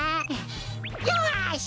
よし！